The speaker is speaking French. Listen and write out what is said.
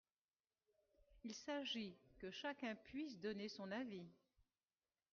Il s’agit que chacun puisse donner son avis.